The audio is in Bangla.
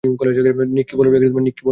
নিক কি বললো?